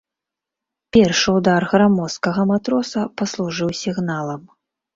Першы ўдар грамоздкага матроса паслужыў сігналам.